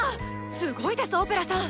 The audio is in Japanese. すごいですオペラさん！